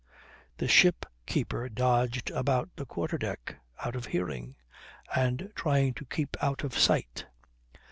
The ship keeper dodged about the quarter deck, out of hearing, and trying to keep out of sight.